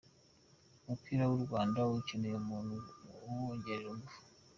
Umupira w’u Rwanda ukeneye umuntu uwongerera ingufu.